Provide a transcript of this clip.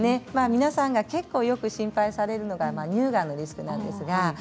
皆さんがよく心配されるのが乳がんのリスクです。